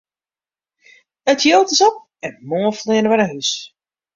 It jild is op en moarn fleane wy nei hús!